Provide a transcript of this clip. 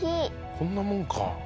こんなもんか。